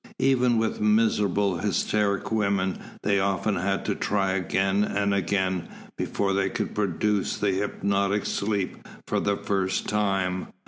Even with miserable, hysteric women they often had to try again and again before they could produce the hypnotic sleep for the first time.